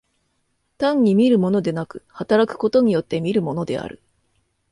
単に見るものでなく、働くことによって見るものである。